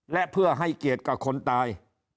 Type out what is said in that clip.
และเพื่อให้เกียรติกับคนตาย